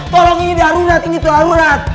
tolong ini diharunat ini diharunat